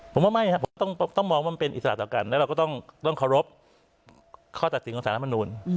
ผมว่าไม่ครับต้องมองมันเป็นอิสระต่อกันแล้วเราก็ต้องต้องขอรบข้อตัดสินของศาลธรรมนุน